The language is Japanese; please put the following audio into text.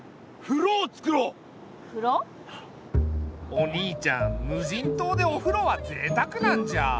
お兄ちゃん無人島でお風呂はぜいたくなんじゃ。